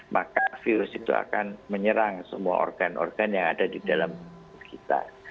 maka virus itu akan menyerang semua organ organ yang ada di dalam kita